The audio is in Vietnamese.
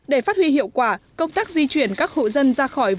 để phát huy hiệu quả công tác di chuyển các hộ dân ra khỏi vùng